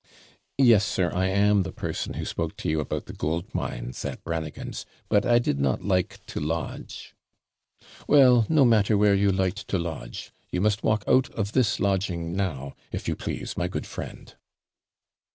'Yes, sir, I am the person who spoke to you about the gold mines at Brannagan's; but I did not like to lodge ' 'Well, no matter where you liked to lodge; you must walk out of this lodging now, if you please, my good friend.'